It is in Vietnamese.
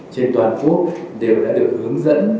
trên toàn quốc đều đã được hướng dẫn